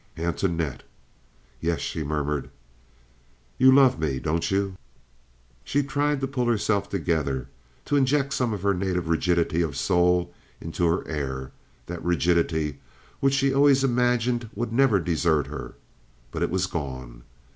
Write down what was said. "Antoinette!" "Yes," she murmured. "You love me, don't you?" She tried to pull herself together, to inject some of her native rigidity of soul into her air—that rigidity which she always imagined would never desert her—but it was gone.